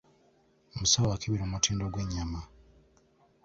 Omusawo akebera omutindo gw'ennyama.